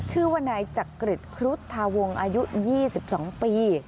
ชื่อว่านายจักริจครุฑธาวงศ์อายุ๒๒ปี